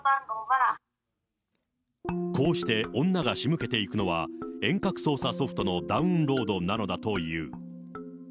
こうして、女が仕向けていくのは、遠隔操作ソフトのダウンロードなのだという。